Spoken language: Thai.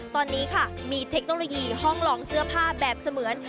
ตอนนี้ค่ะมีเทคโนโลยีห้องลองเสื้อผ้าแบบเสมือน